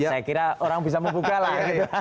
saya kira orang bisa membuka lah